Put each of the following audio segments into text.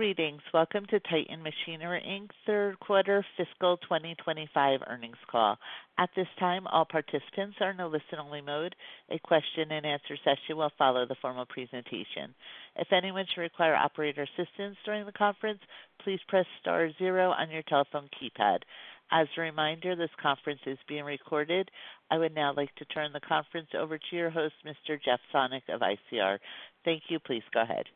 Greetings. Welcome to Titan Machinery Inc 's third quarter fiscal 2025 earnings call. At this time, all participants are in a listen-only mode. A question-and-answer session will follow the formal presentation. If anyone should require operator assistance during the conference, please press star zero on your telephone keypad. As a reminder, this conference is being recorded. I would now like to turn the conference over to your host, Mr. Jeff Sonnek of ICR. Thank you. Please go ahead.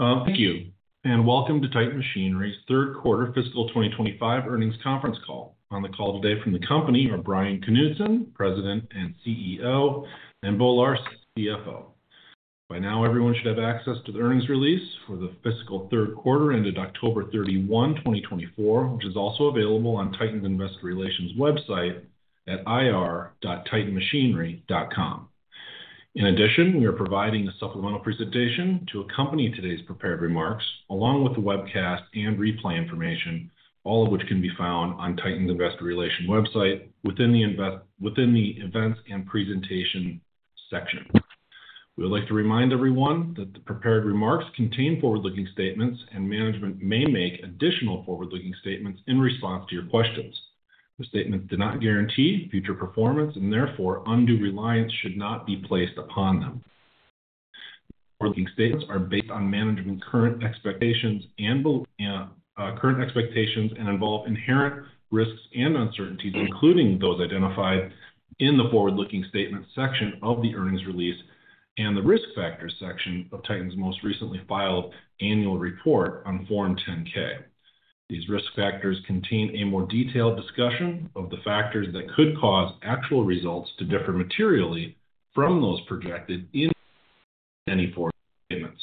Thank you, and welcome to Titan Machinery's third quarter fiscal 2025 earnings conference call. On the call today from the company are Bryan Knutson, President and CEO, and Bo Larsen, CFO. By now, everyone should have access to the earnings release for the fiscal third quarter ended October 31, 2024, which is also available on Titan's investor relations website at ir.titanmachinery.com. In addition, we are providing a supplemental presentation to accompany today's prepared remarks, along with the webcast and replay information, all of which can be found on Titan's investor relations website within the events and presentation section. We would like to remind everyone that the prepared remarks contain forward-looking statements, and management may make additional forward-looking statements in response to your questions. The statements do not guarantee future performance, and therefore, undue reliance should not be placed upon them. Forward-looking statements are based on management's current expectations and involve inherent risks and uncertainties, including those identified in the forward-looking statement section of the earnings release and the risk factors section of Titan's most recently filed annual report on Form 10-K. These risk factors contain a more detailed discussion of the factors that could cause actual results to differ materially from those projected in any forward statements,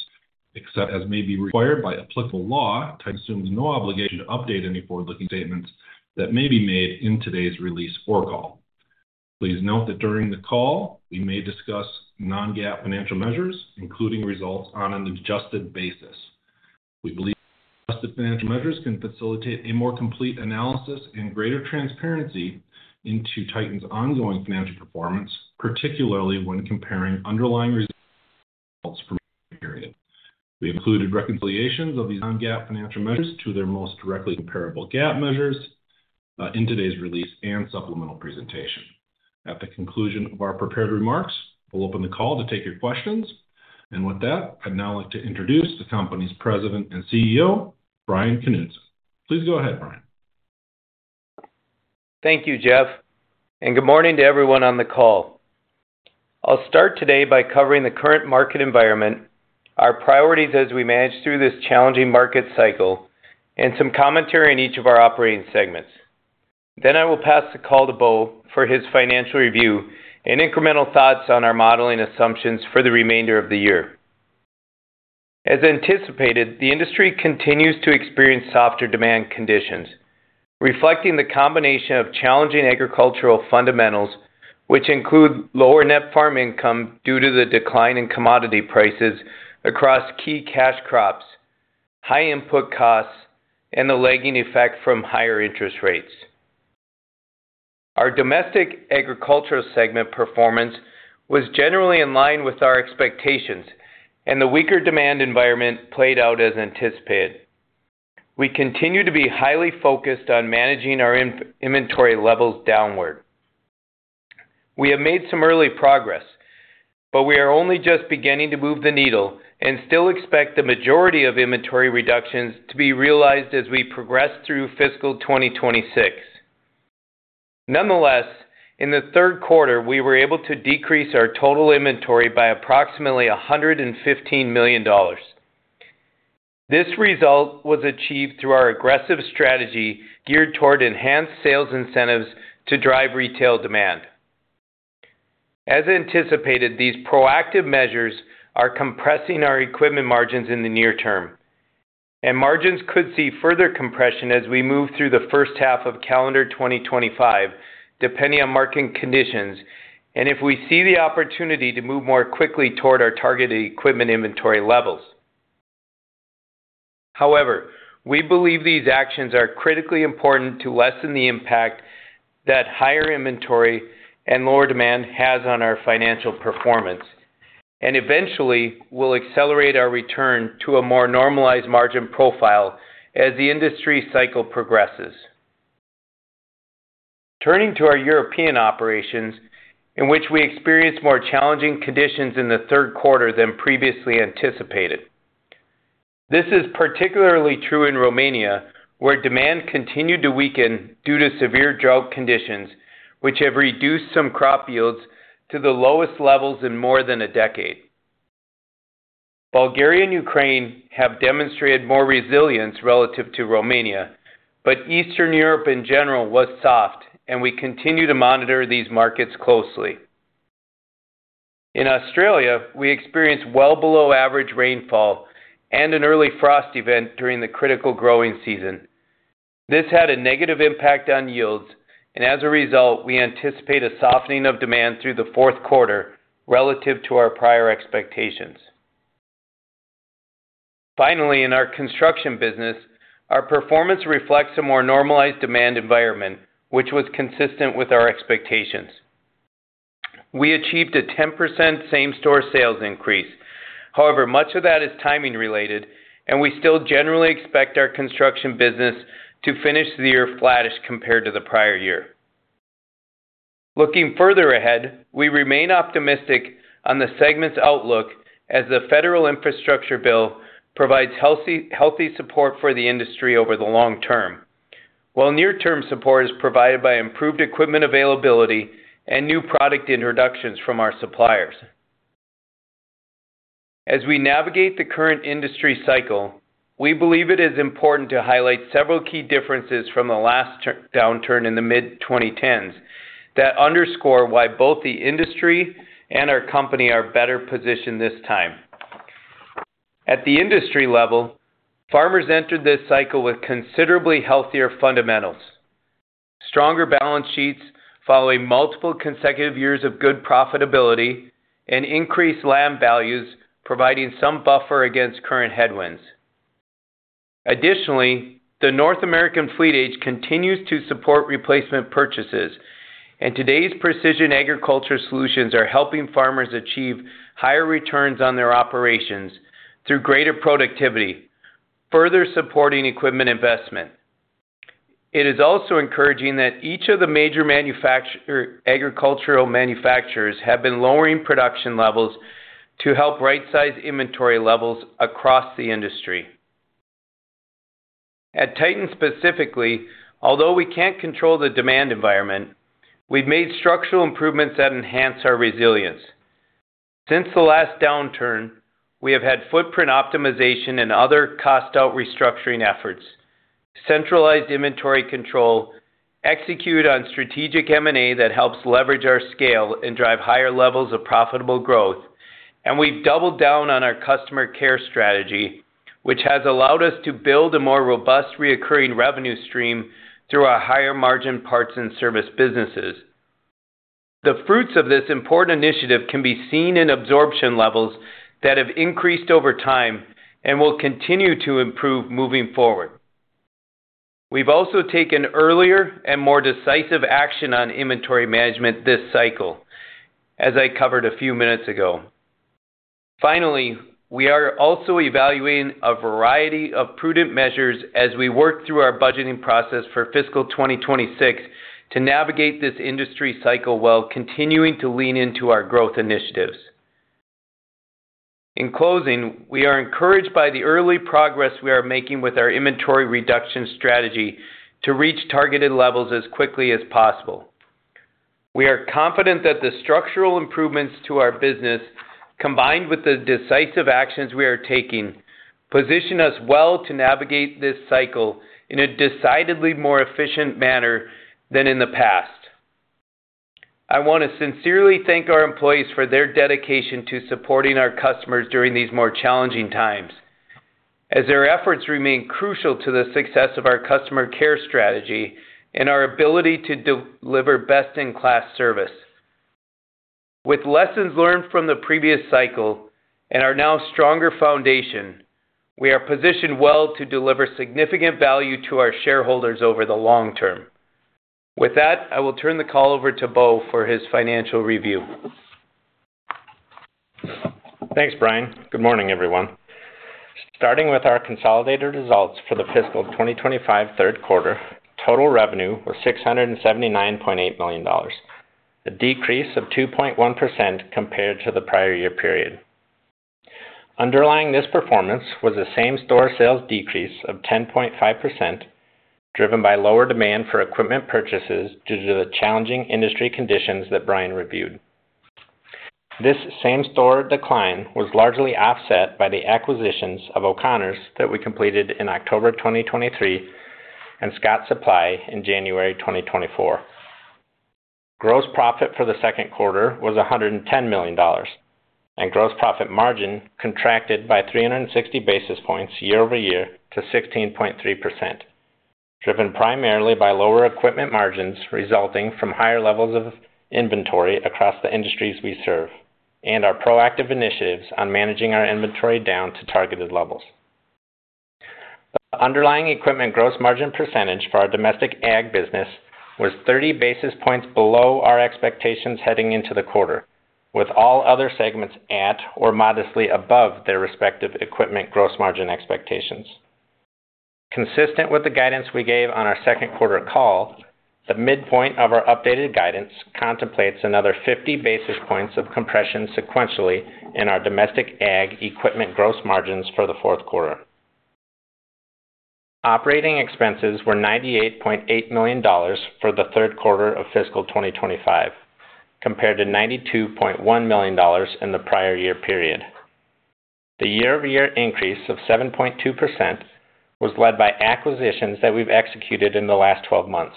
except as may be required by applicable law. Titan assumes no obligation to update any forward-looking statements that may be made in today's release or call. Please note that during the call, we may discuss non-GAAP financial measures, including results on an adjusted basis. We believe adjusted financial measures can facilitate a more complete analysis and greater transparency into Titan's ongoing financial performance, particularly when comparing underlying results for a period. We included reconciliations of these non-GAAP financial measures to their most directly comparable GAAP measures in today's release and supplemental presentation. At the conclusion of our prepared remarks, we'll open the call to take your questions. And with that, I'd now like to introduce the company's President and CEO, Bryan Knutson. Please go ahead, Bryan. Thank you, Jeff, and good morning to everyone on the call. I'll start today by covering the current market environment, our priorities as we manage through this challenging market cycle, and some commentary on each of our operating segments. Then I will pass the call to Bo for his financial review and incremental thoughts on our modeling assumptions for the remainder of the year. As anticipated, the industry continues to experience softer demand conditions, reflecting the combination of challenging agricultural fundamentals, which include lower net farm income due to the decline in commodity prices across key cash crops, high input costs, and the lagging effect from higher interest rates. Our domestic agricultural segment performance was generally in line with our expectations, and the weaker demand environment played out as anticipated. We continue to be highly focused on managing our inventory levels downward. We have made some early progress, but we are only just beginning to move the needle and still expect the majority of inventory reductions to be realized as we progress through fiscal 2026. Nonetheless, in the third quarter, we were able to decrease our total inventory by approximately $115 million. This result was achieved through our aggressive strategy geared toward enhanced sales incentives to drive retail demand. As anticipated, these proactive measures are compressing our equipment margins in the near term, and margins could see further compression as we move through the first half of calendar 2025, depending on market conditions and if we see the opportunity to move more quickly toward our targeted equipment inventory levels. However, we believe these actions are critically important to lessen the impact that higher inventory and lower demand has on our financial performance and eventually will accelerate our return to a more normalized margin profile as the industry cycle progresses. Turning to our European operations, in which we experienced more challenging conditions in the third quarter than previously anticipated. This is particularly true in Romania, where demand continued to weaken due to severe drought conditions, which have reduced some crop yields to the lowest levels in more than a decade. Bulgaria and Ukraine have demonstrated more resilience relative to Romania, but Eastern Europe in general was soft, and we continue to monitor these markets closely. In Australia, we experienced well below average rainfall and an early frost event during the critical growing season. This had a negative impact on yields, and as a result, we anticipate a softening of demand through the fourth quarter relative to our prior expectations. Finally, in our construction business, our performance reflects a more normalized demand environment, which was consistent with our expectations. We achieved a 10% same-store sales increase. However, much of that is timing related, and we still generally expect our construction business to finish the year flattish compared to the prior year. Looking further ahead, we remain optimistic on the segment's outlook as the federal infrastructure bill provides healthy support for the industry over the long term, while near-term support is provided by improved equipment availability and new product introductions from our suppliers. As we navigate the current industry cycle, we believe it is important to highlight several key differences from the last downturn in the mid-2010s that underscore why both the industry and our company are better positioned this time. At the industry level, farmers entered this cycle with considerably healthier fundamentals, stronger balance sheets following multiple consecutive years of good profitability, and increased land values, providing some buffer against current headwinds. Additionally, the North American fleet age continues to support replacement purchases, and today's precision agriculture solutions are helping farmers achieve higher returns on their operations through greater productivity, further supporting equipment investment. It is also encouraging that each of the major agricultural manufacturers has been lowering production levels to help right-size inventory levels across the industry. At Titan specifically, although we can't control the demand environment, we've made structural improvements that enhance our resilience. Since the last downturn, we have had footprint optimization and other cost-out restructuring efforts, centralized inventory control executed on strategic M&A that helps leverage our scale and drive higher levels of profitable growth, and we've doubled down on our customer care strategy, which has allowed us to build a more robust recurring revenue stream through our higher-margin parts and service businesses. The fruits of this important initiative can be seen in absorption levels that have increased over time and will continue to improve moving forward. We've also taken earlier and more decisive action on inventory management this cycle, as I covered a few minutes ago. Finally, we are also evaluating a variety of prudent measures as we work through our budgeting process for fiscal 2026 to navigate this industry cycle while continuing to lean into our growth initiatives. In closing, we are encouraged by the early progress we are making with our inventory reduction strategy to reach targeted levels as quickly as possible. We are confident that the structural improvements to our business, combined with the decisive actions we are taking, position us well to navigate this cycle in a decidedly more efficient manner than in the past. I want to sincerely thank our employees for their dedication to supporting our customers during these more challenging times, as their efforts remain crucial to the success of our customer care strategy and our ability to deliver best-in-class service. With lessons learned from the previous cycle and our now stronger foundation, we are positioned well to deliver significant value to our shareholders over the long term. With that, I will turn the call over to Bo for his financial review. Thanks, Bryan. Good morning, everyone. Starting with our consolidated results for the fiscal 2025 third quarter, total revenue was $679.8 million, a decrease of 2.1% compared to the prior year period. Underlying this performance was a same-store sales decrease of 10.5%, driven by lower demand for equipment purchases due to the challenging industry conditions that Bryan reviewed. This same-store decline was largely offset by the acquisitions of O'Connor's that we completed in October 2023 and Scott Supply in January 2024. Gross profit for the second quarter was $110 million, and gross profit margin contracted by 360 basis points year-over-year to 16.3%, driven primarily by lower equipment margins resulting from higher levels of inventory across the industries we serve and our proactive initiatives on managing our inventory down to targeted levels. The underlying equipment gross margin percentage for our domestic ag business was 30 basis points below our expectations heading into the quarter, with all other segments at or modestly above their respective equipment gross margin expectations. Consistent with the guidance we gave on our second quarter call, the midpoint of our updated guidance contemplates another 50 basis points of compression sequentially in our domestic ag equipment gross margins for the fourth quarter. Operating expenses were $98.8 million for the third quarter of fiscal 2025, compared to $92.1 million in the prior year period. The year-over-year increase of 7.2% was led by acquisitions that we've executed in the last 12 months.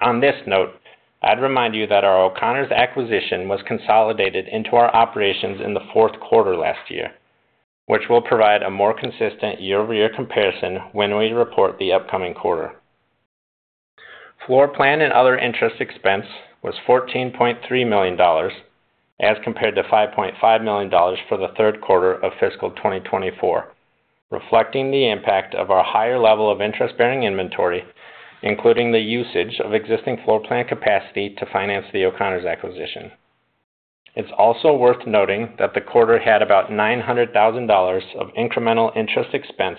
On this note, I'd remind you that our O'Connor's acquisition was consolidated into our operations in the fourth quarter last year, which will provide a more consistent year-over-year comparison when we report the upcoming quarter. Floor plan and other interest expense was $14.3 million as compared to $5.5 million for the third quarter of fiscal 2024, reflecting the impact of our higher level of interest-bearing inventory, including the usage of existing floor plan capacity to finance the O'Connor's acquisition. It's also worth noting that the quarter had about $900,000 of incremental interest expense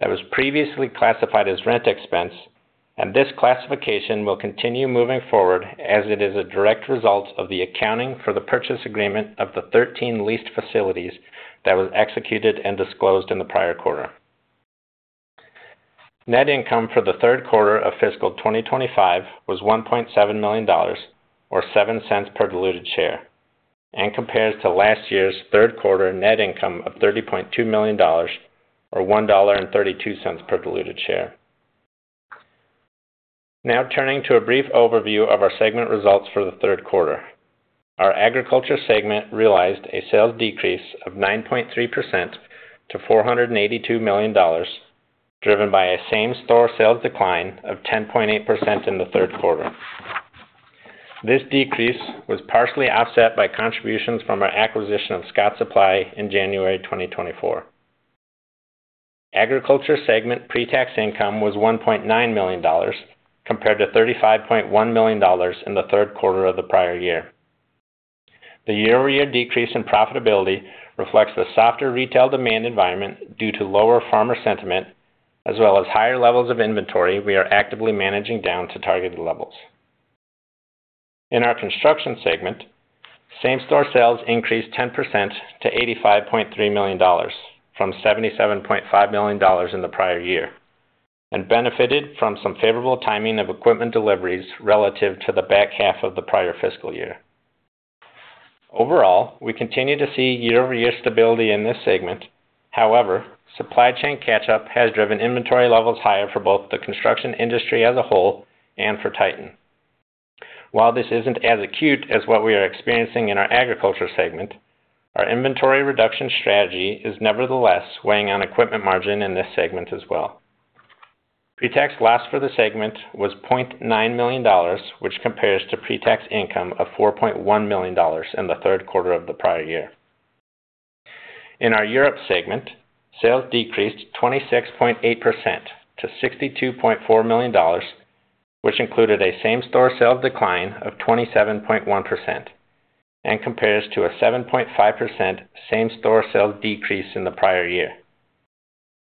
that was previously classified as rent expense, and this classification will continue moving forward as it is a direct result of the accounting for the purchase agreement of the 13 leased facilities that was executed and disclosed in the prior quarter. Net income for the third quarter of fiscal 2025 was $1.7 million, or $0.07 per diluted share, and compares to last year's third quarter net income of $30.2 million, or $1.32 per diluted share. Now turning to a brief overview of our segment results for the third quarter, our agriculture segment realized a sales decrease of 9.3% to $482 million, driven by a same-store sales decline of 10.8% in the third quarter. This decrease was partially offset by contributions from our acquisition of Scott Supply in January 2024. Agriculture segment pre-tax income was $1.9 million, compared to $35.1 million in the third quarter of the prior year. The year-over-year decrease in profitability reflects the softer retail demand environment due to lower farmer sentiment, as well as higher levels of inventory we are actively managing down to targeted levels. In our construction segment, same-store sales increased 10% to $85.3 million, from $77.5 million in the prior year, and benefited from some favorable timing of equipment deliveries relative to the back half of the prior fiscal year. Overall, we continue to see year-over-year stability in this segment. However, supply chain catch-up has driven inventory levels higher for both the construction industry as a whole and for Titan. While this isn't as acute as what we are experiencing in our agriculture segment, our inventory reduction strategy is nevertheless weighing on equipment margin in this segment as well. Pretax loss for the segment was $0.9 million, which compares to pretax income of $4.1 million in the third quarter of the prior year. In our Europe segment, sales decreased 26.8% to $62.4 million, which included a same-store sales decline of 27.1%, and compares to a 7.5% same-store sales decrease in the prior year.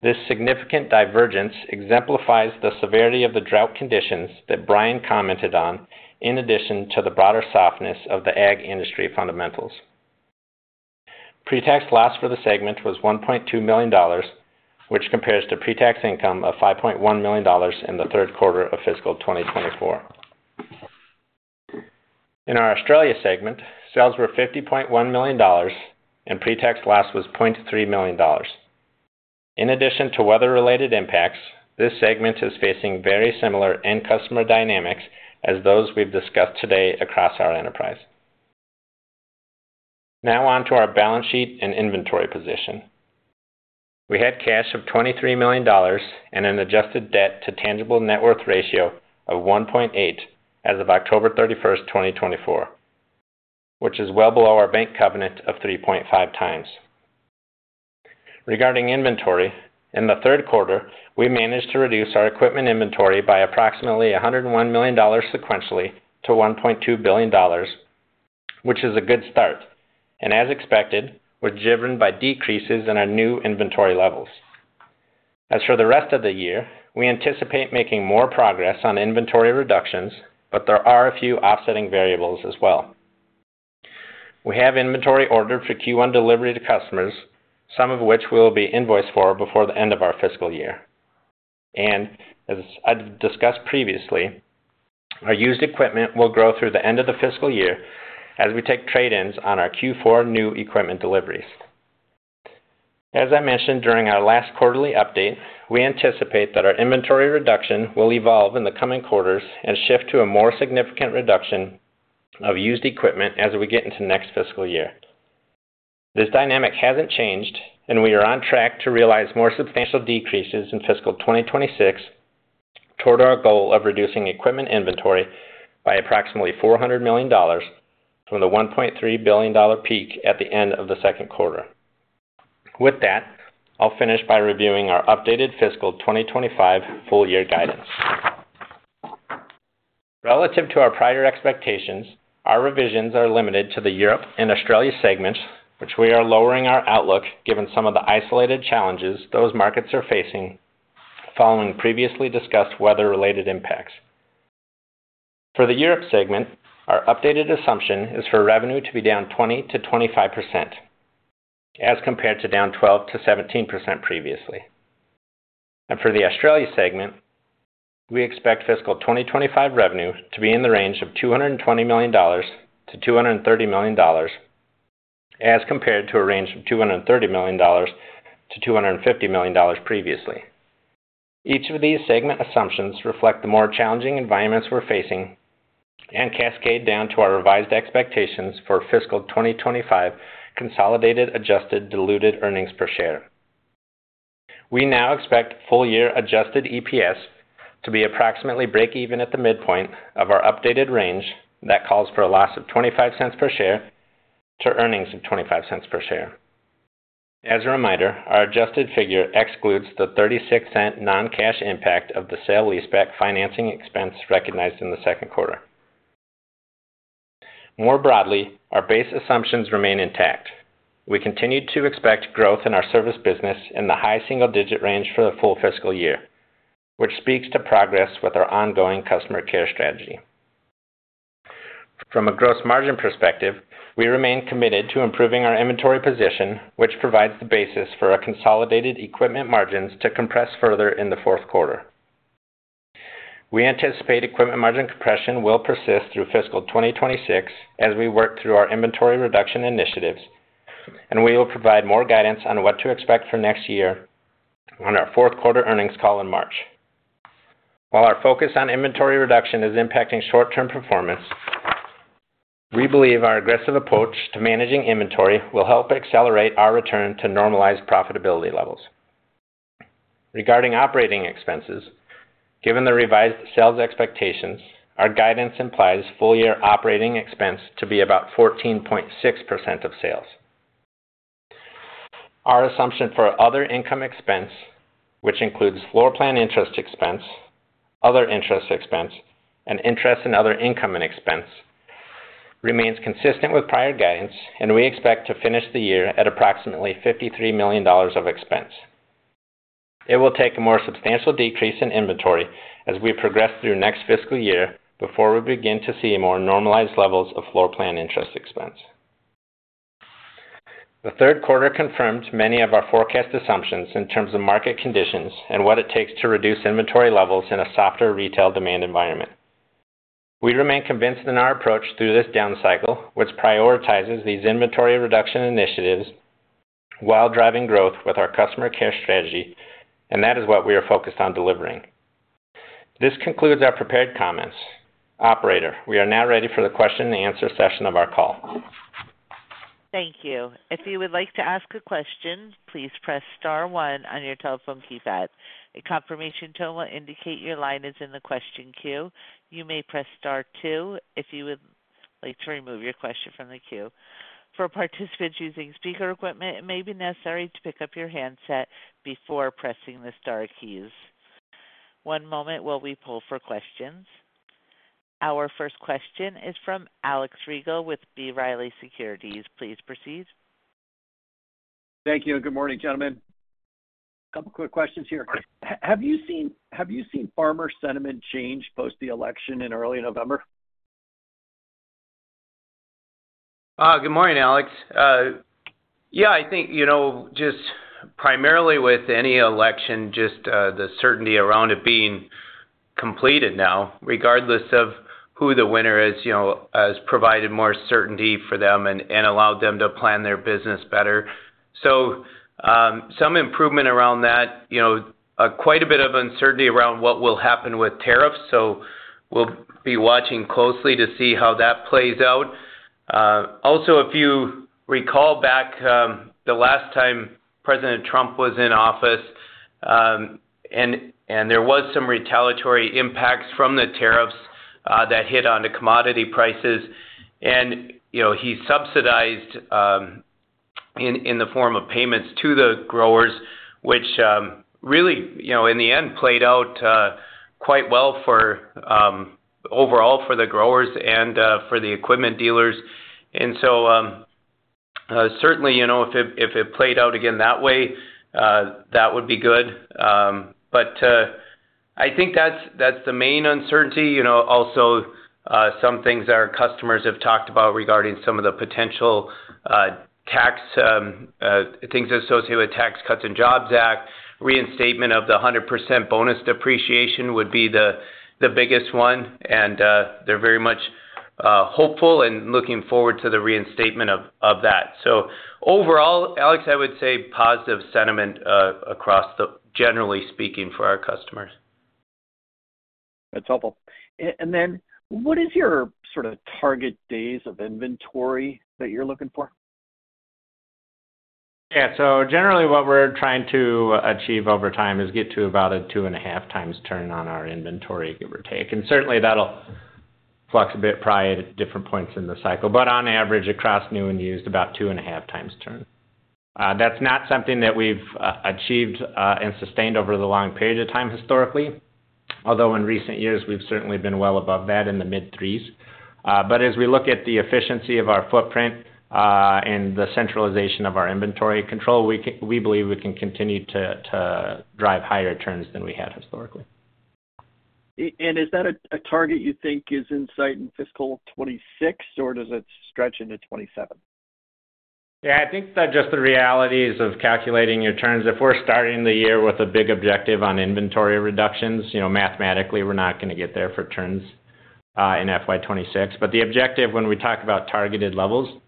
This significant divergence exemplifies the severity of the drought conditions that Bryan commented on, in addition to the broader softness of the ag industry fundamentals. Pretax loss for the segment was $1.2 million, which compares to pretax income of $5.1 million in the third quarter of fiscal 2024. In our Australia segment, sales were $50.1 million, and pretax loss was $0.3 million. In addition to weather-related impacts, this segment is facing very similar end-customer dynamics as those we've discussed today across our enterprise. Now on to our balance sheet and inventory position. We had cash of $23 million and an adjusted debt-to-tangible net worth ratio of 1.8 as of October 31st 2024, which is well below our bank covenant of 3.5 times. Regarding inventory, in the third quarter, we managed to reduce our equipment inventory by approximately $101 million sequentially to $1.2 billion, which is a good start, and as expected, was driven by decreases in our new inventory levels. As for the rest of the year, we anticipate making more progress on inventory reductions, but there are a few offsetting variables as well. We have inventory ordered for Q1 delivery to customers, some of which we will be invoiced for before the end of our fiscal year. As I've discussed previously, our used equipment will grow through the end of the fiscal year as we take trade-ins on our Q4 new equipment deliveries. As I mentioned during our last quarterly update, we anticipate that our inventory reduction will evolve in the coming quarters and shift to a more significant reduction of used equipment as we get into next fiscal year. This dynamic hasn't changed, and we are on track to realize more substantial decreases in fiscal 2026 toward our goal of reducing equipment inventory by approximately $400 million from the $1.3 billion peak at the end of the second quarter. With that, I'll finish by reviewing our updated fiscal 2025 full-year guidance. Relative to our prior expectations, our revisions are limited to the Europe and Australia segments, which we are lowering our outlook given some of the isolated challenges those markets are facing following previously discussed weather-related impacts. For the Europe segment, our updated assumption is for revenue to be down 20%-25% as compared to down 12%-17% previously. And for the Australia segment, we expect fiscal 2025 revenue to be in the range of $220 million-$230 million as compared to a range of $230 million-$250 million previously. Each of these segment assumptions reflect the more challenging environments we're facing and cascade down to our revised expectations for fiscal 2025 consolidated adjusted diluted earnings per share. We now expect full-year adjusted EPS to be approximately break-even at the midpoint of our updated range that calls for a loss of $0.25 per share to earnings of $0.25 per share. As a reminder, our adjusted figure excludes the $0.36 non-cash impact of the sale leaseback financing expense recognized in the second quarter. More broadly, our base assumptions remain intact. We continue to expect growth in our service business in the high single-digit range for the full fiscal year, which speaks to progress with our ongoing customer care strategy. From a gross margin perspective, we remain committed to improving our inventory position, which provides the basis for our consolidated equipment margins to compress further in the fourth quarter. We anticipate equipment margin compression will persist through fiscal 2026 as we work through our inventory reduction initiatives, and we will provide more guidance on what to expect for next year on our fourth quarter earnings call in March. While our focus on inventory reduction is impacting short-term performance, we believe our aggressive approach to managing inventory will help accelerate our return to normalized profitability levels. Regarding operating expenses, given the revised sales expectations, our guidance implies full-year operating expense to be about 14.6% of sales. Our assumption for other income expense, which includes floor plan interest expense, other interest expense, and interest in other income and expense, remains consistent with prior guidance, and we expect to finish the year at approximately $53 million of expense. It will take a more substantial decrease in inventory as we progress through next fiscal year before we begin to see more normalized levels of floor plan interest expense. The third quarter confirmed many of our forecast assumptions in terms of market conditions and what it takes to reduce inventory levels in a softer retail demand environment. We remain convinced in our approach through this down cycle, which prioritizes these inventory reduction initiatives while driving growth with our customer care strategy, and that is what we are focused on delivering. This concludes our prepared comments. Operator, we are now ready for the question-and-answer session of our call. Thank you. If you would like to ask a question, please press star one on your telephone keypad. A confirmation tone will indicate your line is in the question queue. You may press star two if you would like to remove your question from the queue. For participants using speaker equipment, it may be necessary to pick up your handset before pressing the star keys. One moment while we pull for questions. Our first question is from Alex Rygiel with B. Riley Securities. Please proceed. Thank you. Good morning, gentlemen. A couple of quick questions here. Have you seen farmer sentiment change post the election in early November? Good morning, Alex. Yeah, I think just primarily with any election, just the certainty around it being completed now, regardless of who the winner is, has provided more certainty for them and allowed them to plan their business better. So some improvement around that, quite a bit of uncertainty around what will happen with tariffs. So we'll be watching closely to see how that plays out. Also, if you recall back the last time President Trump was in office, and there was some retaliatory impacts from the tariffs that hit on the commodity prices, and he subsidized in the form of payments to the growers, which really, in the end, played out quite well overall for the growers and for the equipment dealers. And so certainly, if it played out again that way, that would be good. But I think that's the main uncertainty. Also, some things our customers have talked about regarding some of the potential tax things associated with the Tax Cuts and Jobs Act, reinstatement of the 100% bonus depreciation would be the biggest one, and they're very much hopeful and looking forward to the reinstatement of that, so overall, Alex, I would say positive sentiment across, generally speaking, for our customers. That's helpful, and then what is your sort of target days of inventory that you're looking for? Yeah. So generally, what we're trying to achieve over time is get to about a two-and-a-half times turn on our inventory, give or take. And certainly, that'll flux a bit prior to different points in the cycle. But on average, across new and used, about two-and-a-half times turn. That's not something that we've achieved and sustained over the long period of time historically, although in recent years, we've certainly been well above that in the mid-threes. But as we look at the efficiency of our footprint and the centralization of our inventory control, we believe we can continue to drive higher turns than we had historically. Is that a target you think is in sight in fiscal 2026, or does it stretch into 2027? Yeah, I think that just the realities of calculating your turns. If we're starting the year with a big objective on inventory reductions, mathematically, we're not going to get there for turns in FY26. But the objective when we talk about targeted levels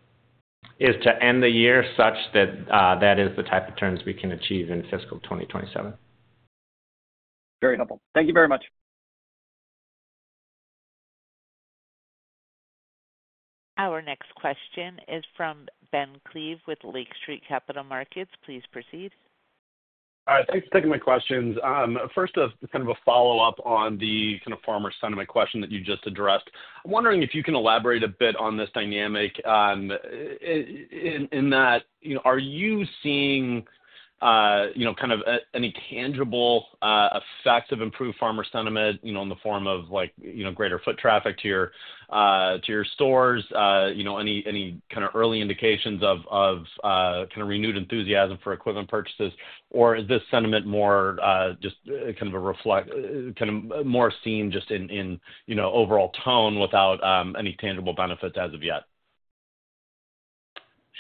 is to end the year such that that is the type of turns we can achieve in fiscal 2027. Very helpful. Thank you very much. Our next question is from Ben Klieve with Lake Street Capital Markets. Please proceed. Thanks for taking my questions. First, kind of a follow-up on the kind of farmer sentiment question that you just addressed. I'm wondering if you can elaborate a bit on this dynamic in that are you seeing kind of any tangible effects of improved farmer sentiment in the form of greater foot traffic to your stores, any kind of early indications of kind of renewed enthusiasm for equipment purchases, or is this sentiment more just kind of a reflection kind of more seen just in overall tone without any tangible benefits as of yet?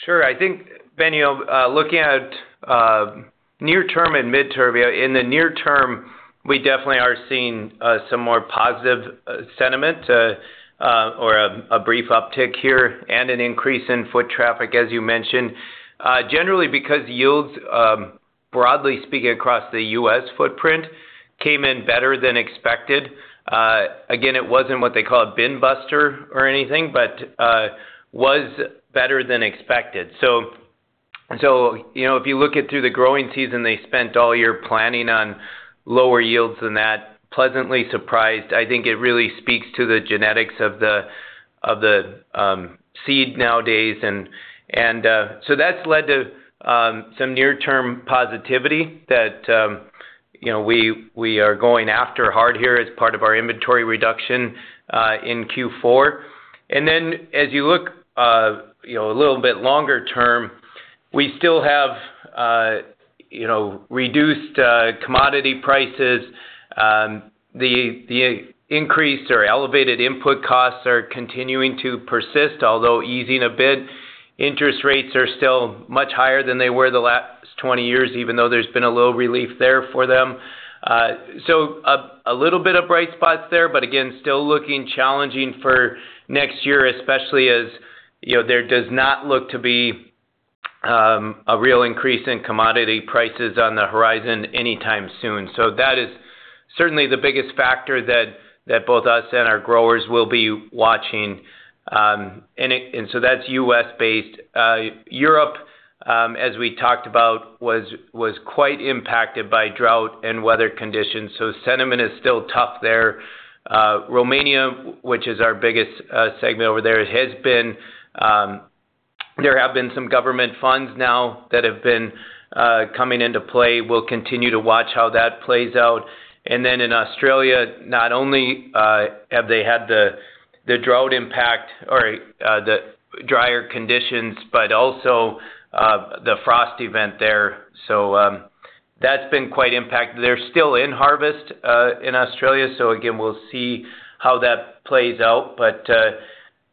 Sure. I think, Ben, looking at near-term and mid-term, in the near term, we definitely are seeing some more positive sentiment or a brief uptick here and an increase in foot traffic, as you mentioned, generally because yields, broadly speaking, across the U.S. footprint came in better than expected. Again, it wasn't what they call a bin buster or anything, but was better than expected. So if you look at through the growing season, they spent all year planning on lower yields than that, pleasantly surprised. I think it really speaks to the genetics of the seed nowadays. And so that's led to some near-term positivity that we are going after hard here as part of our inventory reduction in Q4. And then as you look a little bit longer term, we still have reduced commodity prices. The increased or elevated input costs are continuing to persist, although easing a bit. Interest rates are still much higher than they were the last 20 years, even though there's been a little relief there for them. So a little bit of bright spots there, but again, still looking challenging for next year, especially as there does not look to be a real increase in commodity prices on the horizon anytime soon. So that is certainly the biggest factor that both us and our growers will be watching. And so that's U.S.-based. Europe, as we talked about, was quite impacted by drought and weather conditions. So sentiment is still tough there. Romania, which is our biggest segment over there, has been. There have been some government funds now that have been coming into play. We'll continue to watch how that plays out. And then in Australia, not only have they had the drought impact or the drier conditions, but also the frost event there. So that's been quite impacted. They're still in harvest in Australia. So again, we'll see how that plays out. But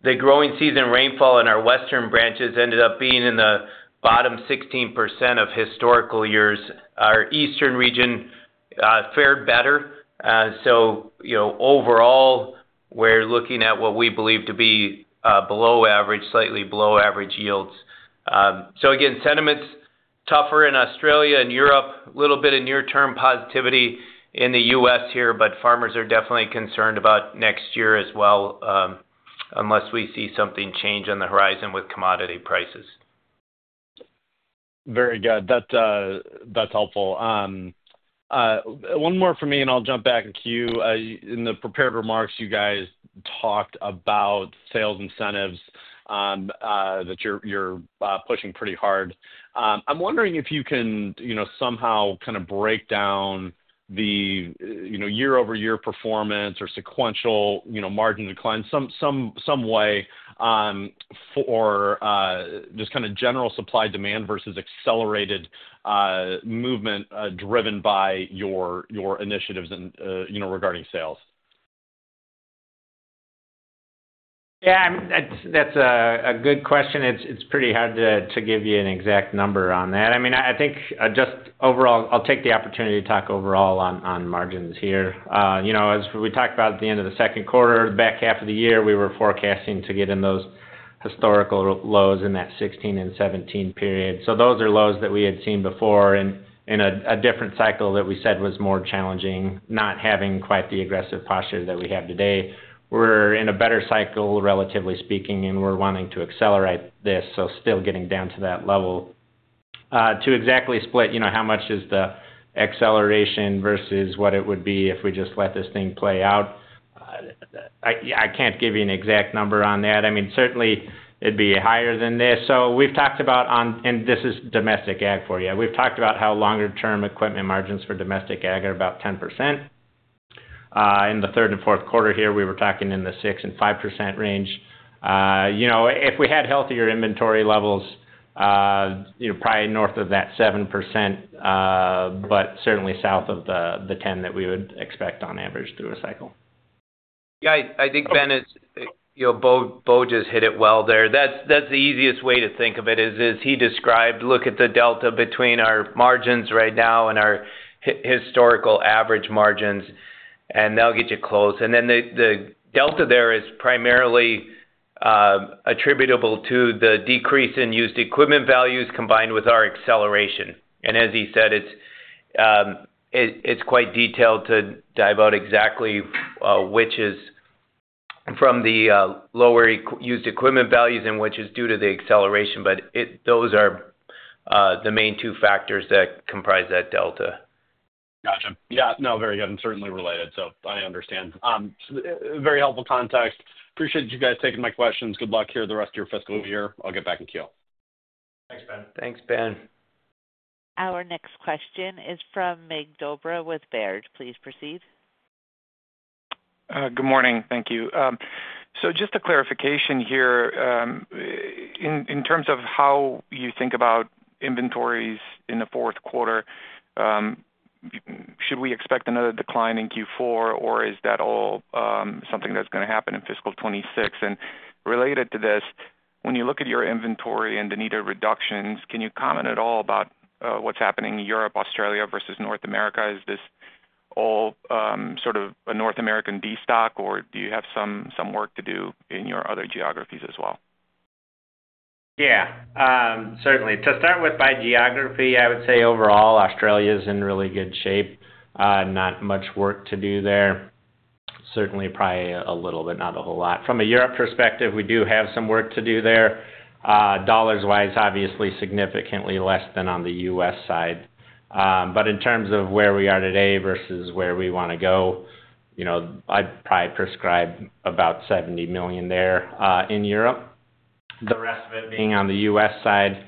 the growing season rainfall in our western branches ended up being in the bottom 16% of historical years. Our eastern region fared better. So overall, we're looking at what we believe to be below average, slightly below average yields. So again, sentiment's tougher in Australia and Europe, a little bit of near-term positivity in the US here, but farmers are definitely concerned about next year as well unless we see something change on the horizon with commodity prices. Very good. That's helpful. One more for me, and I'll jump back to you. In the prepared remarks, you guys talked about sales incentives that you're pushing pretty hard. I'm wondering if you can somehow kind of break down the year-over-year performance or sequential margin decline some way for just kind of general supply demand versus accelerated movement driven by your initiatives regarding sales. Yeah, that's a good question. It's pretty hard to give you an exact number on that. I mean, I think just overall, I'll take the opportunity to talk overall on margins here. As we talked about at the end of the second quarter, the back half of the year, we were forecasting to get in those historical lows in that 2016 and 2017 period. So those are lows that we had seen before in a different cycle that we said was more challenging, not having quite the aggressive posture that we have today. We're in a better cycle, relatively speaking, and we're wanting to accelerate this, so still getting down to that level. To exactly split how much is the acceleration versus what it would be if we just let this thing play out, I can't give you an exact number on that. I mean, certainly, it'd be higher than this, so we've talked about, and this is domestic ag for you. We've talked about how longer-term equipment margins for domestic ag are about 10%. In the third and fourth quarter here, we were talking in the 6% and 5% range. If we had healthier inventory levels, probably north of that 7%, but certainly south of the 10% that we would expect on average through a cycle. Yeah, I think, Ben, Bo's hit it well there. That's the easiest way to think of it, as he described. Look at the delta between our margins right now and our historical average margins, and that'll get you close, and then the delta there is primarily attributable to the decrease in used equipment values combined with our acceleration. As he said, it's quite detailed to dive into exactly which is from the lower used equipment values and which is due to the acceleration, but those are the main two factors that comprise that delta. Gotcha. Yeah. No, very good and certainly related, so I understand. Very helpful context. Appreciate you guys taking my questions. Good luck here the rest of your fiscal year. I'll get back in queue. Thanks, Ben. Thanks, Ben. Our next question is from Mircea Dobre with Baird. Please proceed. Good morning. Thank you. So just a clarification here. In terms of how you think about inventories in the fourth quarter, should we expect another decline in Q4, or is that all something that's going to happen in fiscal 2026? And related to this, when you look at your inventory and the needed reductions, can you comment at all about what's happening in Europe, Australia versus North America? Is this all sort of a North American destock, or do you have some work to do in your other geographies as well? Yeah, certainly. To start with, by geography, I would say overall, Australia is in really good shape. Not much work to do there. Certainly, probably a little bit, not a whole lot. From a Europe perspective, we do have some work to do there. Dollars-wise, obviously significantly less than on the U.S. side. But in terms of where we are today versus where we want to go, I'd probably prescribe about $70 million there in Europe. The rest of it being on the U.S. side,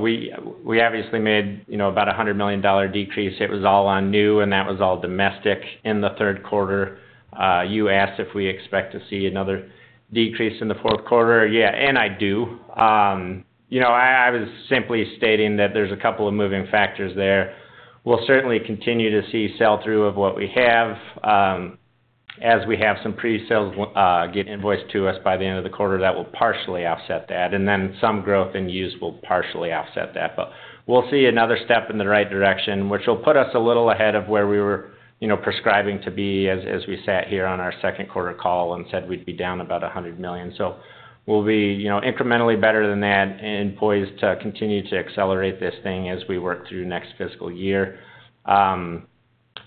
we obviously made about a $100 million decrease. It was all on new, and that was all domestic in the third quarter. You asked if we expect to see another decrease in the fourth quarter. Yeah, and I do. I was simply stating that there's a couple of moving factors there. We'll certainly continue to see sell-through of what we have. As we have some presales get invoiced to us by the end of the quarter, that will partially offset that. And then some growth in use will partially offset that. But we'll see another step in the right direction, which will put us a little ahead of where we were prescribing to be as we sat here on our second quarter call and said we'd be down about $100 million. So we'll be incrementally better than that and poised to continue to accelerate this thing as we work through next fiscal year.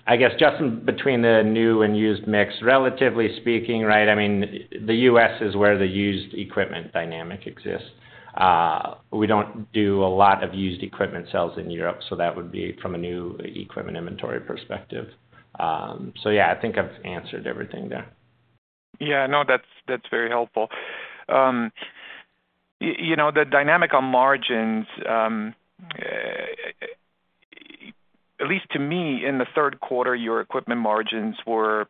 I guess just between the new and used mix, relatively speaking, right, I mean, the U.S. is where the used equipment dynamic exists. We don't do a lot of used equipment sales in Europe, so that would be from a new equipment inventory perspective. So yeah, I think I've answered everything there. Yeah. No, that's very helpful. The dynamic on margins, at least to me, in the third quarter, your equipment margins were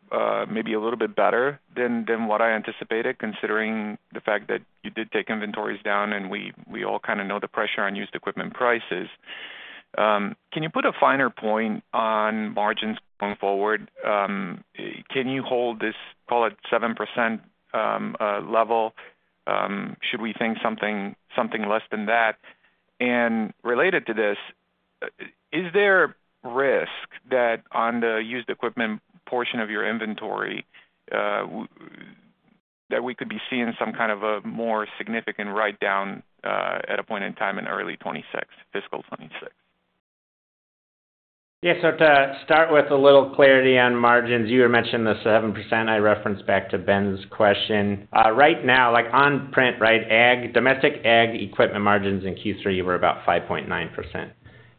maybe a little bit better than what I anticipated, considering the fact that you did take inventories down, and we all kind of know the pressure on used equipment prices. Can you put a finer point on margins going forward? Can you hold this, call it 7% level? Should we think something less than that? And related to this, is there risk that on the used equipment portion of your inventory that we could be seeing some kind of a more significant write-down at a point in time in early 2026, fiscal 2026? Yeah. So to start with a little clarity on margins, you had mentioned the 7%. I referenced back to Ben's question. Right now, on print, right, domestic ag equipment margins in Q3 were about 5.9%.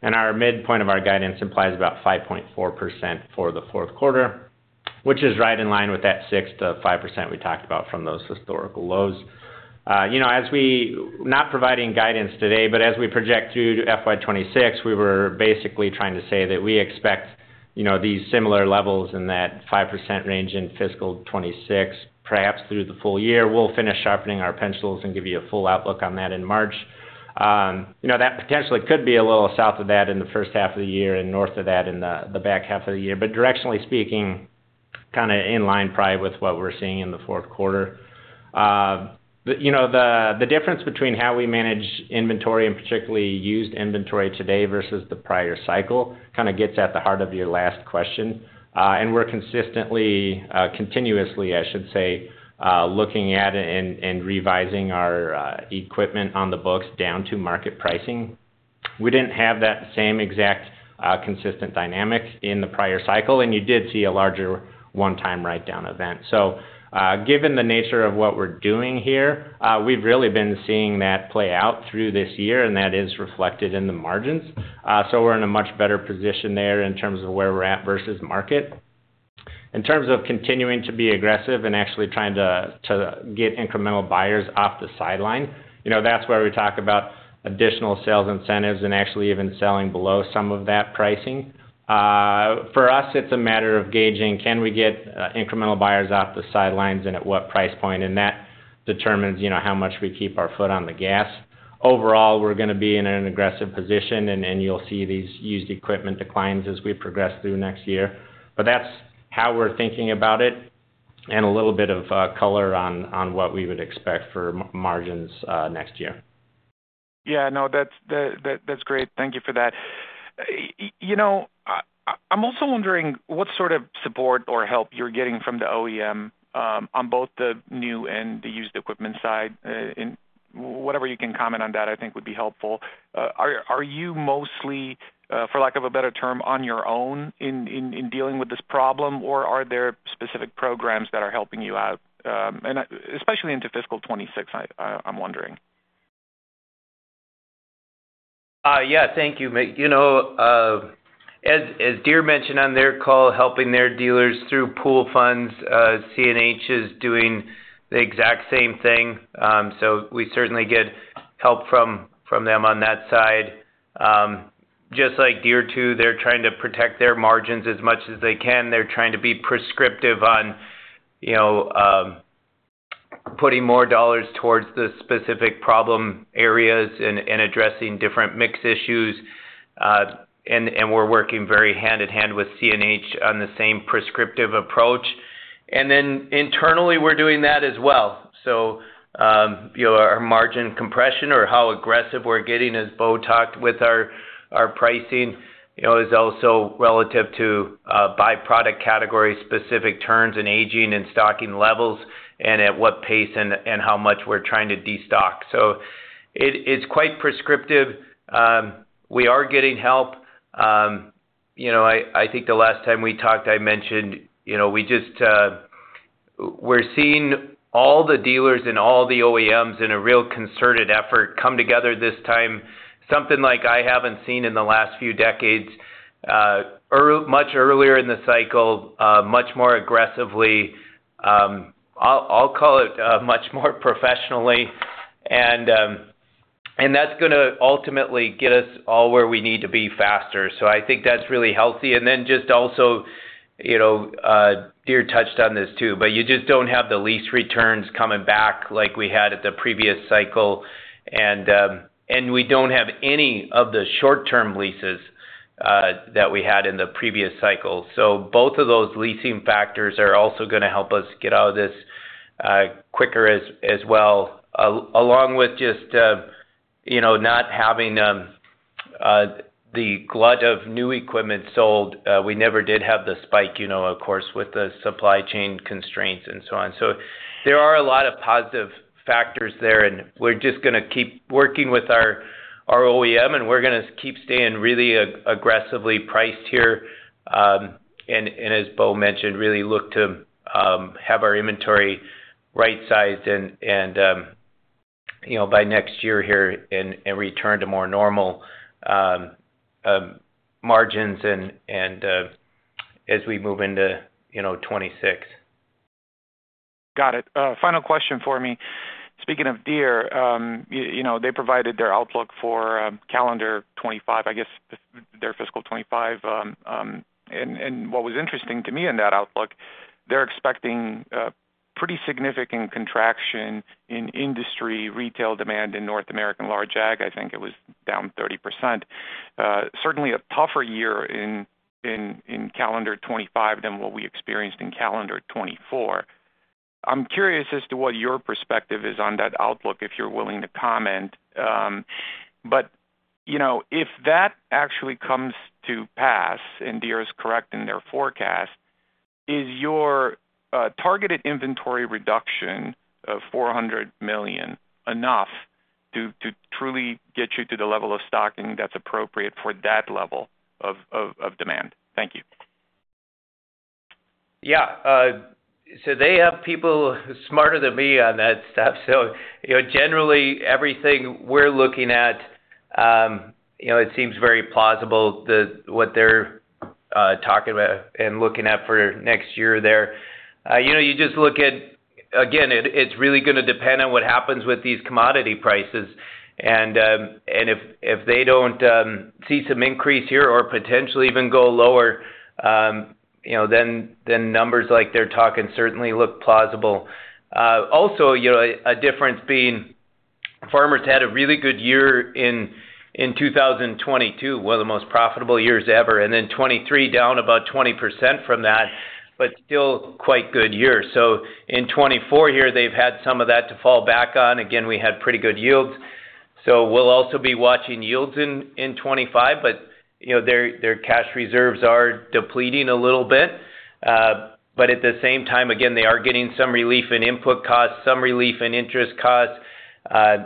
And our midpoint of our guidance implies about 5.4% for the fourth quarter, which is right in line with that 6%-5% we talked about from those historical lows. Not providing guidance today, but as we project through FY26, we were basically trying to say that we expect these similar levels in that 5% range in fiscal '26, perhaps through the full year. We'll finish sharpening our pencils and give you a full outlook on that in March. That potentially could be a little south of that in the first half of the year and north of that in the back half of the year. But directionally speaking, kind of in line probably with what we're seeing in the fourth quarter. The difference between how we manage inventory and particularly used inventory today versus the prior cycle kind of gets at the heart of your last question. And we're consistently, continuously, I should say, looking at and revising our equipment on the books down to market pricing. We didn't have that same exact consistent dynamic in the prior cycle, and you did see a larger one-time write-down event. So given the nature of what we're doing here, we've really been seeing that play out through this year, and that is reflected in the margins. So we're in a much better position there in terms of where we're at versus market. In terms of continuing to be aggressive and actually trying to get incremental buyers off the sidelines, that's where we talk about additional sales incentives and actually even selling below some of that pricing. For us, it's a matter of gauging, can we get incremental buyers off the sidelines and at what price point? And that determines how much we keep our foot on the gas. Overall, we're going to be in an aggressive position, and you'll see these used equipment declines as we progress through next year. But that's how we're thinking about it and a little bit of color on what we would expect for margins next year. Yeah. No, that's great. Thank you for that. I'm also wondering what sort of support or help you're getting from the OEM on both the new and the used equipment side. Whatever you can comment on that, I think, would be helpful. Are you mostly, for lack of a better term, on your own in dealing with this problem, or are there specific programs that are helping you out, especially into fiscal 2026? I'm wondering. Yeah. Thank you, Meg. As Deere mentioned on their call, helping their dealers through pool funds, CNH is doing the exact same thing. So we certainly get help from them on that side. Just like Deere too, they're trying to protect their margins as much as they can. They're trying to be prescriptive on putting more dollars towards the specific problem areas and addressing different mix issues, and we're working very hand in hand with CNH on the same prescriptive approach, and then internally, we're doing that as well, so our margin compression or how aggressive we're getting is tied to our pricing, is also relative to by product category-specific turns and aging and stocking levels and at what pace and how much we're trying to destock, so it's quite prescriptive. We are getting help. I think the last time we talked, I mentioned we're seeing all the dealers and all the OEMs in a real concerted effort come together this time, something like I haven't seen in the last few decades, much earlier in the cycle, much more aggressively. I'll call it much more professionally, and that's going to ultimately get us all where we need to be faster, so I think that's really healthy, and then just also, Deere touched on this too, but you just don't have the lease returns coming back like we had at the previous cycle. And we don't have any of the short-term leases that we had in the previous cycle, so both of those leasing factors are also going to help us get out of this quicker as well, along with just not having the glut of new equipment sold. We never did have the spike, of course, with the supply chain constraints and so on. So there are a lot of positive factors there, and we're just going to keep working with our OEM, and we're going to keep staying really aggressively priced here, and as Bo mentioned, really look to have our inventory right-sized by next year here and return to more normal margins as we move into 2026. Got it. Final question for me. Speaking of Deere, they provided their outlook for calendar 2025, I guess their fiscal 2025. And what was interesting to me in that outlook, they're expecting pretty significant contraction in industry retail demand in North American large ag. I think it was down 30%. Certainly a tougher year in calendar 2025 than what we experienced in calendar 2024. I'm curious as to what your perspective is on that outlook, if you're willing to comment. But if that actually comes to pass and Deere is correct in their forecast, is your targeted inventory reduction of $400 million enough to truly get you to the level of stocking that's appropriate for that level of demand? Thank you. Yeah. So they have people smarter than me on that stuff. So generally, everything we're looking at, it seems very plausible what they're talking about and looking at for next year there. You just look at, again, it's really going to depend on what happens with these commodity prices. And if they don't see some increase here or potentially even go lower, then numbers like they're talking certainly look plausible. Also, a difference being farmers had a really good year in 2022, one of the most profitable years ever, and then 2023 down about 20% from that, but still quite good year. So in 2024 here, they've had some of that to fall back on. Again, we had pretty good yields. So we'll also be watching yields in 2025, but their cash reserves are depleting a little bit. But at the same time, again, they are getting some relief in input costs, some relief in interest costs.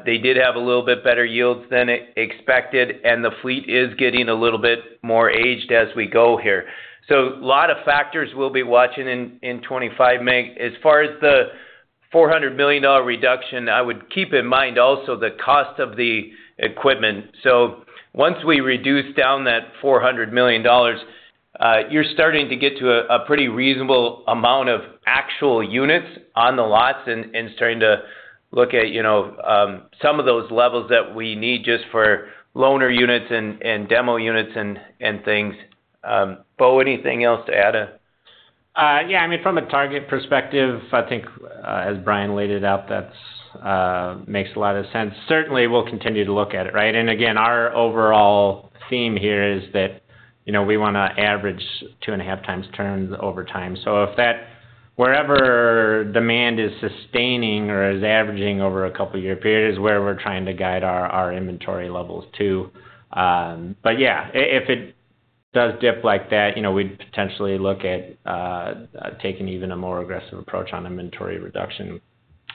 They did have a little bit better yields than expected, and the fleet is getting a little bit more aged as we go here. So a lot of factors we'll be watching in 2025, Meg. As far as the $400 million reduction, I would keep in mind also the cost of the equipment. So once we reduce down that $400 million, you're starting to get to a pretty reasonable amount of actual units on the lots and starting to look at some of those levels that we need just for loaner units and demo units and things. Bo, anything else to add? Yeah. I mean, from a target perspective, I think as Brian laid it out, that makes a lot of sense. Certainly, we'll continue to look at it, right? And again, our overall theme here is that we want to average two and a half times turns over time. So if that wherever demand is sustaining or is averaging over a couple of year period is where we're trying to guide our inventory levels to. But yeah, if it does dip like that, we'd potentially look at taking even a more aggressive approach on inventory reduction.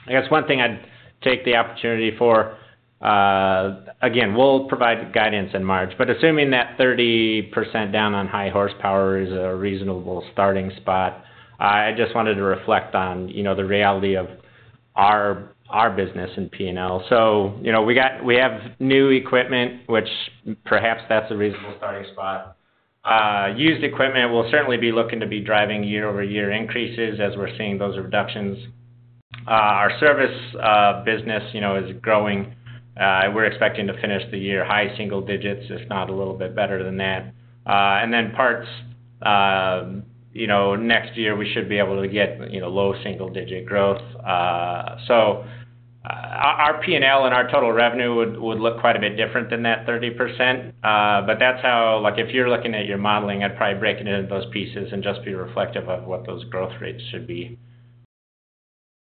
I guess one thing I'd take the opportunity for, again, we'll provide guidance in March, but assuming that 30% down on high horsepower is a reasonable starting spot, I just wanted to reflect on the reality of our business in P&L. So we have new equipment, which perhaps that's a reasonable starting spot. Used equipment, we'll certainly be looking to be driving year-over-year increases as we're seeing those reductions. Our service business is growing. We're expecting to finish the year high single digits, if not a little bit better than that. And then parts, next year, we should be able to get low single-digit growth. So our P&L and our total revenue would look quite a bit different than that 30%. But that's how, if you're looking at your modeling, I'd probably break it into those pieces and just be reflective of what those growth rates should be.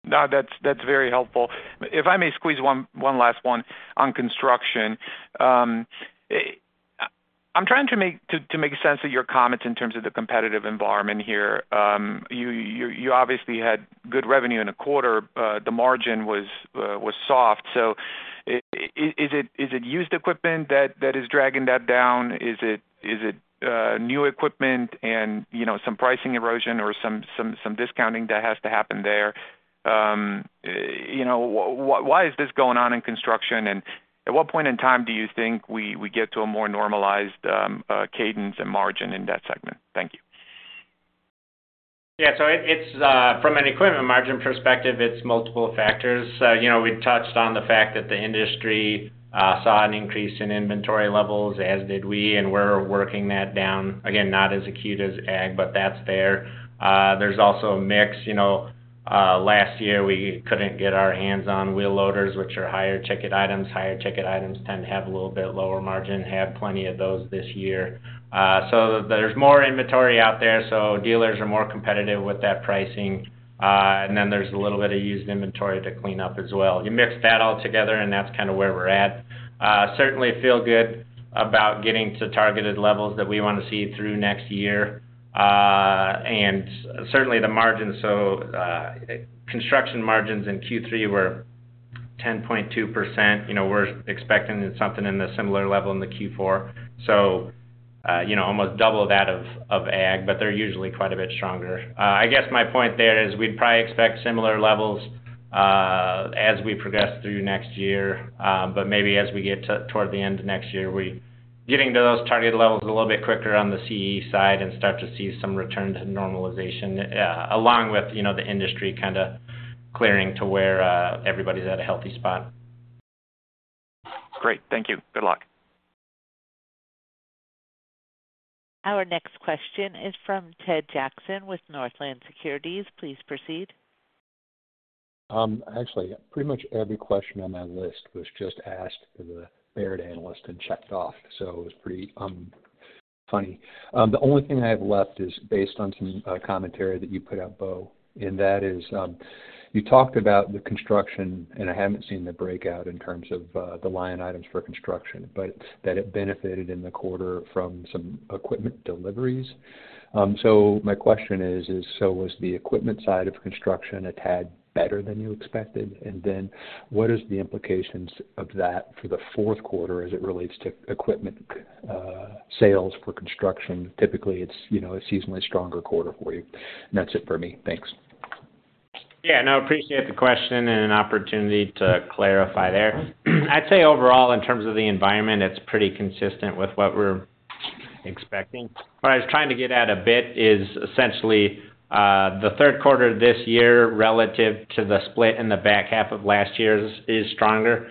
No, that's very helpful. If I may squeeze one last one on construction, I'm trying to make sense of your comments in terms of the competitive environment here. You obviously had good revenue in the quarter. The margin was soft. So is it used equipment that is dragging that down? Is it new equipment and some pricing erosion or some discounting that has to happen there? Why is this going on in construction, and at what point in time do you think we get to a more normalized cadence and margin in that segment? Thank you. Yeah. So from an equipment margin perspective, it's multiple factors. We touched on the fact that the industry saw an increase in inventory levels, as did we, and we're working that down. Again, not as acute as ag, but that's there. There's also a mix. Last year, we couldn't get our hands on wheel loaders, which are higher ticket items. Higher ticket items tend to have a little bit lower margin, have plenty of those this year. So there's more inventory out there. So dealers are more competitive with that pricing. And then there's a little bit of used inventory to clean up as well. You mix that all together, and that's kind of where we're at. Certainly, feel good about getting to targeted levels that we want to see through next year. And certainly, the margins. So construction margins in Q3 were 10.2%. We're expecting something in the similar level in the Q4. So almost double that of ag, but they're usually quite a bit stronger. I guess my point there is we'd probably expect similar levels as we progress through next year. But maybe as we get toward the end of next year, we're getting to those targeted levels a little bit quicker on the CE side and start to see some return to normalization along with the industry kind of clearing to where everybody's at a healthy spot. Great. Thank you. Good luck. Our next question is from Ted Jackson with Northland Securities. Please proceed. Actually, pretty much every question on my list was just asked to the Baird analyst and checked off. So it was pretty funny. The only thing I have left is, based on some commentary that you put out, Bo, and that is you talked about the construction, and I haven't seen the breakout in terms of the line items for construction, but that it benefited in the quarter from some equipment deliveries. So my question is, so was the equipment side of construction a tad better than you expected? And then what are the implications of that for the fourth quarter as it relates to equipment sales for construction? Typically, it's a seasonally stronger quarter for you. And that's it for me. Thanks. Yeah. No, I appreciate the question and an opportunity to clarify there. I'd say overall, in terms of the environment, it's pretty consistent with what we're expecting. What I was trying to get at a bit is essentially the third quarter of this year relative to the split in the back half of last year is stronger.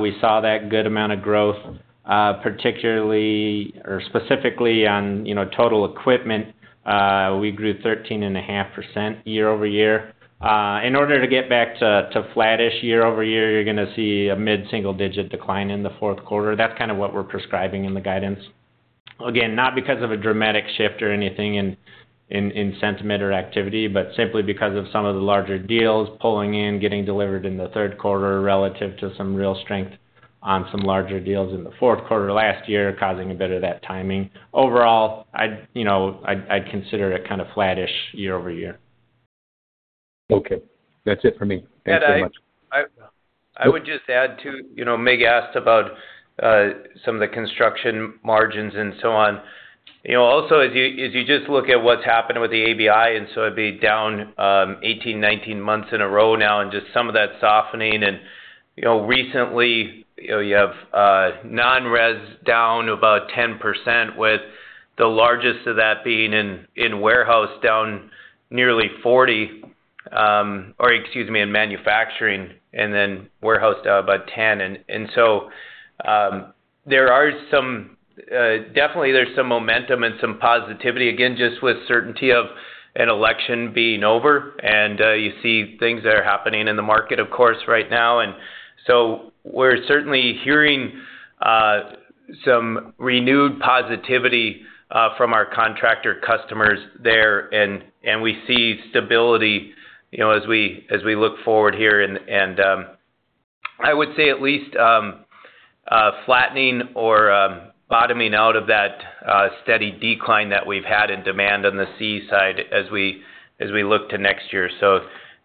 We saw that good amount of growth, particularly or specifically on total equipment. We grew 13.5% year over year. In order to get back to flattish year over year, you're going to see a mid-single-digit decline in the fourth quarter. That's kind of what we're prescribing in the guidance. Again, not because of a dramatic shift or anything in sentiment or activity, but simply because of some of the larger deals pulling in, getting delivered in the third quarter relative to some real strength on some larger deals in the fourth quarter last year, causing a bit of that timing. Overall, I'd consider it kind of flattish year over year. Okay. That's it for me. Thanks very much. I would just add, too. Mircea asked about some of the construction margins and so on. Also, as you just look at what's happened with the ABI, and so it'd be down 18-19 months in a row now and just some of that softening, and recently you have non-res down about 10%, with the largest of that being in warehouse down nearly 40%, or excuse me, in manufacturing, and then warehouse down about 10%, and so there are some definitely, there's some momentum and some positivity, again, just with certainty of an election being over, and you see things that are happening in the market, of course, right now, and so we're certainly hearing some renewed positivity from our contractor customers there, and we see stability as we look forward here. I would say at least flattening or bottoming out of that steady decline that we've had in demand on the CE side as we look to next year.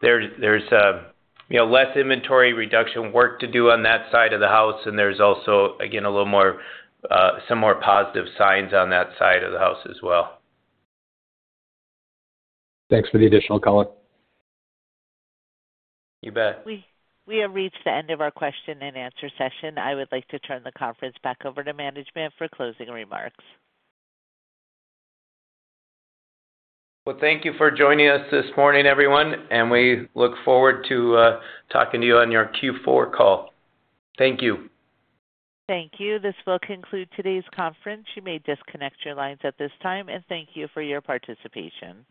There's less inventory reduction work to do on that side of the house. There's also, again, a little more positive signs on that side of the house as well. Thanks for the additional, color You bet. We have reached the end of our question and answer session. I would like to turn the conference back over to management for closing remarks. Thank you for joining us this morning, everyone. We look forward to talking to you on your Q4 call. Thank you. Thank you. This will conclude today's conference. You may disconnect your lines at this time. And thank you for your participation.